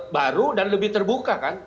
baru dan lebih terbuka kan